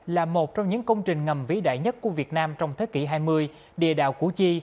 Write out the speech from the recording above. là một trong những công trình ngầm vĩ đại nhất của việt nam trong thế kỷ hai mươi địa đạo củ chi